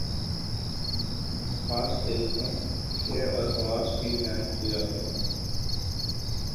Fascist تحریکوں کے اور خواص بھی بیان کیے جاتے ہیں۔